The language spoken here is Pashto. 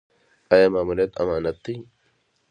آیا ماموریت امانت دی؟